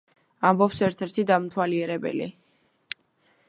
ამბობს ერთ-ერთი დამთვალიერებელი.